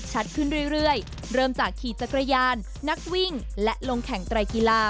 ขึ้นเรื่อยเริ่มจากขี่จักรยานนักวิ่งและลงแข่งไตรกีฬา